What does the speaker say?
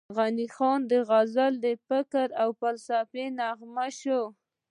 د غني خان غزل د فکر او فلسفې نغمه شوه،